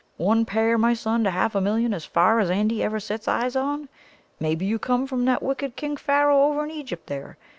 One pair, my son, to half a million, as far as Andy ever set eyes on. Maybe you come from that wicked King Pharaoh over in Egypt there.